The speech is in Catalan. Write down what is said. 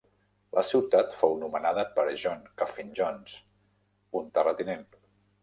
La ciutat fou nomenada per John Coffin Jones, un terratinent.